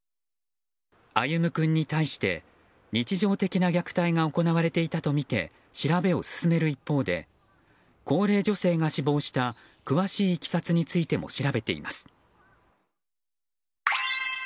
歩夢君に対して日常的な虐待が行われていたとみて調べを進める一方で高齢女性が死亡した詳しいいきさつについても調べています。